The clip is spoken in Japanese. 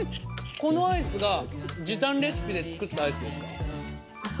このアイスが時短レシピで作ったアイスですか？